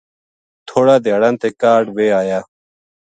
تھوڑا دھیاڑاں تے کاہڈ ویہ آیا